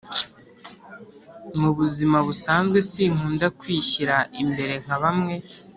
Mubuzima busanzwe sinkunda kwishyira imbere nkabamwe